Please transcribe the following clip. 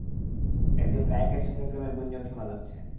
একজন গায়কের সঙ্গে প্রেমের গুঞ্জন শোনা যাচ্ছে।